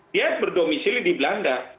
dia berdomisili di belanda